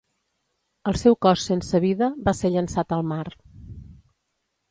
El seu cos sense vida va ser llançat al mar.